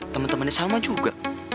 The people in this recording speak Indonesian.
temen temennya salma juga